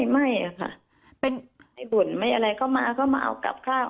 ไม่บ่นไม่อะไรก็มาก็มาเอากลับเข้า